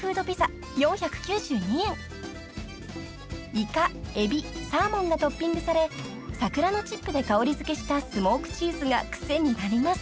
［イカエビサーモンがトッピングされ桜のチップで香りづけしたスモークチーズがクセになります］